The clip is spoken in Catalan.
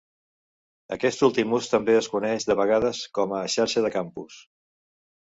Aquest últim ús també es coneix de vegades com a xarxa de campus.